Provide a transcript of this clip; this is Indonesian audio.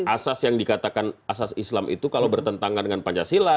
asas yang dikatakan asas islam itu kalau bertentangan dengan pancasila